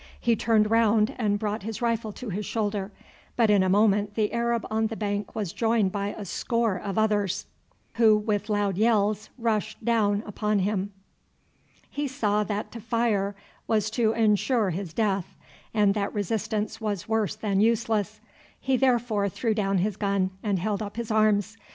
He turned round and brought his rifle to his shoulder, but in a moment the Arab on the bank was joined by a score of others, who with loud yells rushed down upon him. [Illustration: "GOOD BYE, LAD, AND GOD BLESS YOU!"] He saw that to fire was to ensure his death, and that resistance was worse than useless. He therefore threw down his gun and held up his arms.